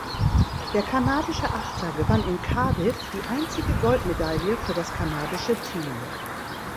Der kanadische Achter gewann in Cardiff die einzige Goldmedaille für das kanadische Team.